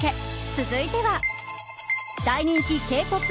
続いては、大人気Ｋ‐ＰＯＰ